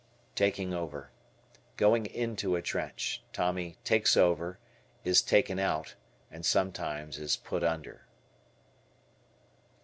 T "Taking over." Going into a trench. Tommy "takes over," is "taken out" and sometimes is "put under."